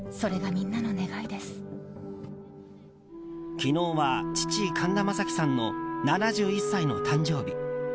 昨日は父・神田正輝さんの７１歳の誕生日。